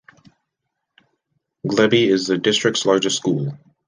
Glebe is the district's largest school.